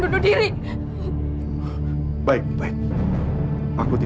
tapi tak berristi